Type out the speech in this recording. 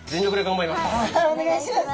お願いします。